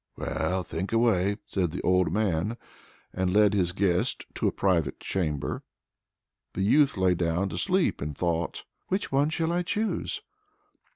"Well, think away!" said the old man, and led his guest to a private chamber. The youth lay down to sleep and thought: "Which one shall I choose?"